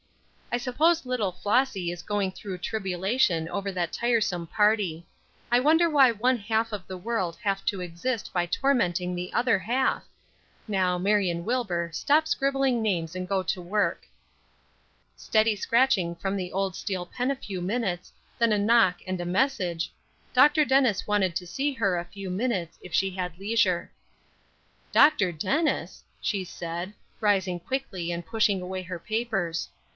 I suppose little Flossy is going through tribulation over that tiresome party. I wonder why one half of the world have to exist by tormenting the other half? Now, Marion Wilbur, stop scribbling names and go to work." Steady scratching from the old steel pen a few minutes, then a knock and a message: "Dr. Dennis wanted to see her a few minutes, if she had leisure." "Dr. Dennis!" she said, rising quickly and pushing away her papers.